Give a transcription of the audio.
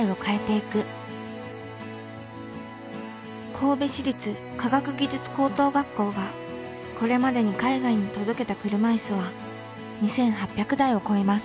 神戸市立科学技術高等学校がこれまでに海外に届けた車いすは２，８００台を超えます。